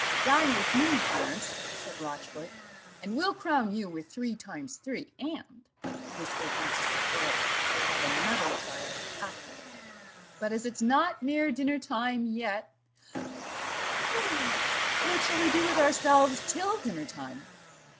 "Dine with me, Clarence," said Rochfort, "and we'll crown you with three times three; and," whispered he to Sir Philip, "we'll have another trial after dinner." "But as it's not near dinner time yet what shall we do with ourselves till dinner time?"